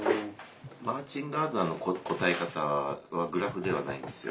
マーティン・ガードナーの答え方はグラフではないんですよ。